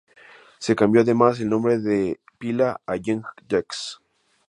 Se cambió además el nombre de pila a Jean Jacques.